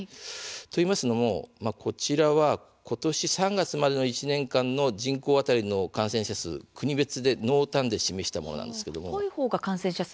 といいますのも今年３月までの１年間の人口当たりの感染者数を国別で濃淡で示したものなんです。